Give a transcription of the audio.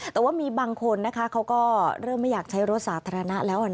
แต่ว่ามีบางคนนะคะเขาก็เริ่มไม่อยากใช้รถสาธารณะแล้ว